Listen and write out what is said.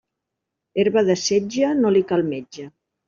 Herba de setge, no li cal metge.